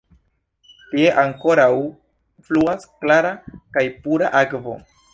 Tie ankoraŭ fluas klara kaj pura akvo.